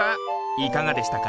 いかがでしたか？